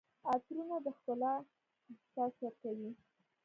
عطرونه د ښکلا احساس ورکوي.